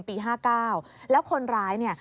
ปี๕๙แล้วคนร้ายเนี่ย